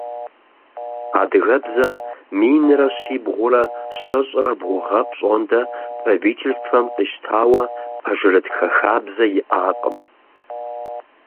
Адыгэбзэм минрэ щибгъурэ щэщӏрэ бгъу гъэ пщӏондэ правительствэм къищтауэ пэжырытхэ хабзэ иӏакъым.